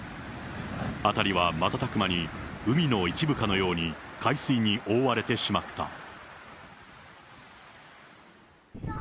辺りは瞬く間に海の一部かのように、海水に覆われてしまった。